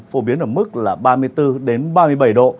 phổ biến ở mức là ba mươi bốn ba mươi bảy độ